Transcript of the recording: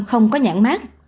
không có nhãn mát